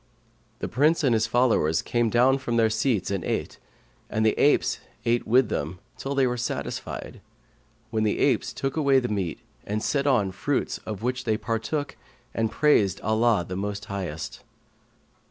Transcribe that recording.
The Prince and his followers came down from their seats and ate, and the apes ate with them, till they were satisfied, when the apes took away the meat and set on fruits of which they partook and praised Allah the most Highest.